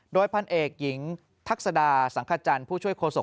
โดยพันเอกหญิงทักษดาสังขจันทร์ผู้ช่วยโฆษก